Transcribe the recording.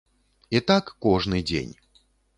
І так кожны дзень.